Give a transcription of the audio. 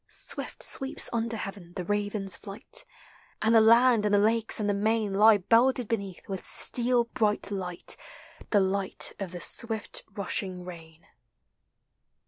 Swift sweeps under 'heaven the raven's flight; And the land and the lakes and the main Lie belted beneath with steel bright light, The light of the swift rushing rain.